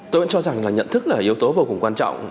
tôi vẫn cho rằng là nhận thức là yếu tố vô cùng quan trọng